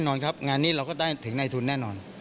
นอนครับงานนี้เราก็ได้ถึงในทุนแน่นอน